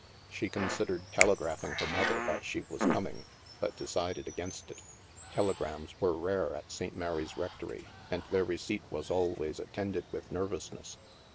She considered telegraphing her mother that she was coming, but decided against it. Telegrams were rare at St. Mary's Rectory, and their receipt was always attended with nervousness.